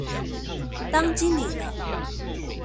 當經理了